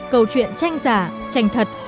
câu chuyện tranh giả tranh thật